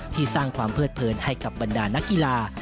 สร้างความเพิดเผินให้กับบรรดานักกีฬา